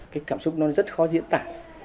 cái cảm xúc nó rất khó diễn tả